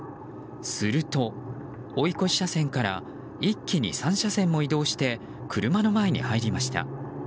すると、追い越し車線から一気に３車線も移動して車の前に入りました。